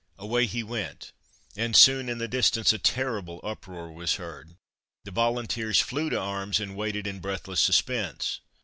Away he went, and soon in the distance a terrible uproar was heard the volunteers flew to arms, and waited in breathless suspense.